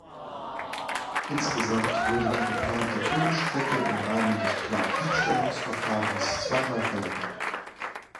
Insgesamt wurde die geplante Tunnelstrecke im Rahmen des Planfeststellungsverfahrens zweimal verlängert.